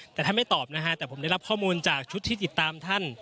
แต่ท่านไม่ตอบนะฮะแต่ผมได้รับข้อมูลจากชุดที่ติดตามท่าน